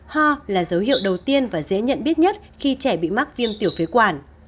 ho là dấu hiệu đầu tiên và dễ nhận biết nhất khi trẻ bị mắc viêm tiểu phế quản